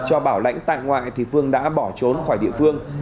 cho bảo lãnh tại ngoại thì phương đã bỏ trốn khỏi địa phương